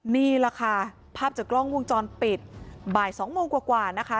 นี่แหละค่ะภาพจากกล้องวงจรปิดบ่าย๒โมงกว่านะคะ